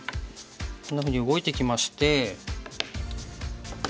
こんなふうに動いてきまして。